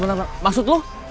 bentar bentar maksud lo